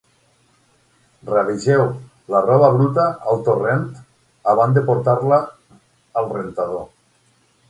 Rabegeu la roba bruta al torrent abans de portar-la al rentador.